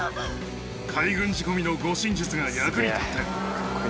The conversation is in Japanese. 海軍仕込みの護身術が役に立ったよ。